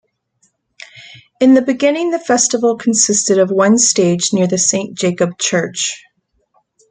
In the beginning the festival consisted of one stage near the Saint Jacob Church.